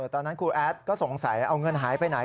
ครูแอดก็สงสัยเอาเงินหายไปไหน